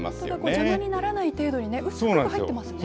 邪魔にならない程度に薄く入ってますね。